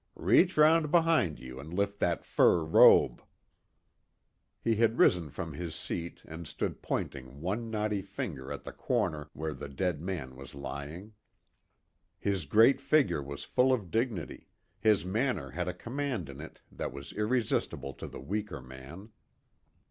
"Reach round behind you and lift that fur robe." He had risen from his seat and stood pointing one knotty finger at the corner where the dead man was lying. His great figure was full of dignity, his manner had a command in it that was irresistible to the weaker man.